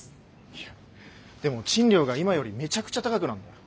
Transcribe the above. いやでも賃料が今よりめちゃくちゃ高くなるんだよ。